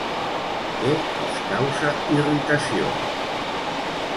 Què els causa irritació?